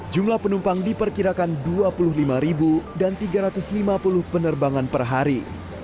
jumlah penumpang diperkirakan dua puluh lima ribu dan tiga ratus lima puluh penerbangan per hari